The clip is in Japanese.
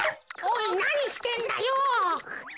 おいなにしてんだよ。